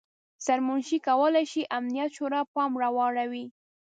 سرمنشي کولای شي امنیت شورا پام راواړوي.